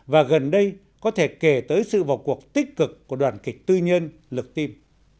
và gần đây có thể kể tới sự vào cuộc tích cực của đoàn kịch tư nhân lực tim